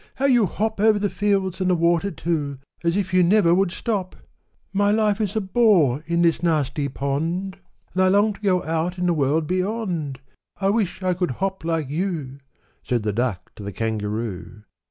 how you hop Over the fields, and the water too, As if you never would stop! My life is a bore in this nasty pond; And I long to go out in the world beyond: I wish I could hop like you," Said the Duck to the Kangaroo.